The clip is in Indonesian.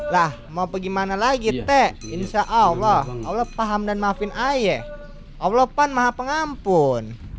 lah mau bagaimana lagi teh insyaallah allah paham dan maafin ayah allah pun maha pengampun